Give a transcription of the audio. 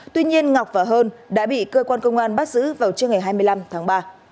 tuy nhiên ngọc và hơn đã bị cơ quan công an bắt giữ vào trưa ngày hai mươi năm tháng ba